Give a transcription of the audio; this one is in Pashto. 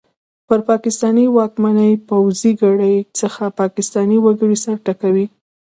پر پاکستان واکمنې پوځي کړۍ څخه پاکستاني وګړي سر ټکوي!